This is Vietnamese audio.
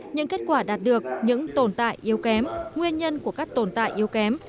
những kết quả đạt được những tồn tại yếu kém nguyên nhân của các tồn tại yếu kém